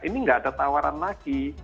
ini nggak ada tawaran lagi